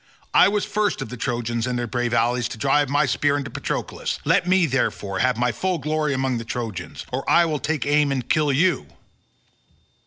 I was first of the Trojans and their brave allies to drive my spear into Patroclus, let me, therefore, have my full glory among the Trojans, or I will take aim and kill you."